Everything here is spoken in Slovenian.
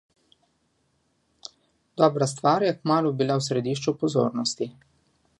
Dobra stvar je kmalu bila v središču pozornosti.